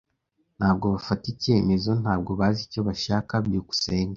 Ntabwo bafata icyemezo. Ntabwo bazi icyo bashaka. byukusenge